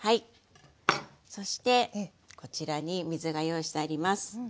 そしてこちらに水が用意してあります。